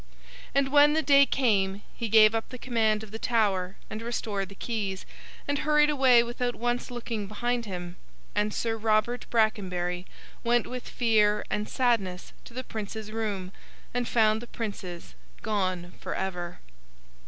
And when the day came, he gave up the command of the Tower, and restored the keys, and hurried away without once looking behind him; and Sir Robert Brackenbury went with fear and sadness to the princes' room, and found the princes gone for ever.